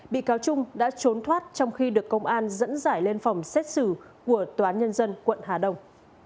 bị cáo chung đã trốn thoát trong khi được công an dẫn dải lên phòng xét xử của toàn nhân dân quận hà đông